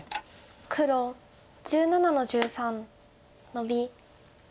黒１７の十三ノビ。